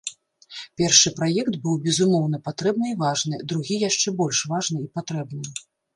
Першы праект быў, безумоўна, патрэбны і важны, другі яшчэ больш важны і патрэбны.